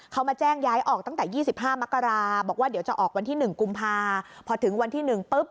เขามาแจ้งย้ายออกตั้งแต่๒๕มกราบอกว่าเดี๋ยวจะออกวันที่๑กุมภาพถึงวันที่๑ปุ๊บ